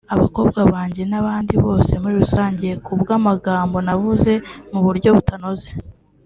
abakobwa banjye n’abandi bose muri rusange ku bw’amagambo navuze mu buryo butanoze”